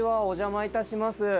お邪魔いたします。